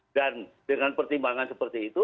dengan pertimbangan seperti itu